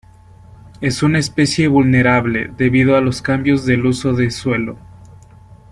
Es una especie vulnerable, debido a los cambios del uso de suelo.